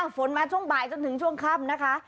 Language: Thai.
ฝนมาช่วงบ่ายจนถึงช่วงค่ำนะคะ